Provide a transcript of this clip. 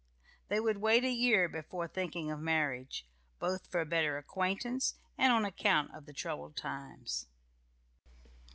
They would wait a year before thinking of marriage, both for better acquaintance and on account of the troubled times.